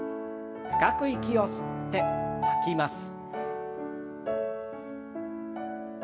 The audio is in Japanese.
深く息を吸って吐きます。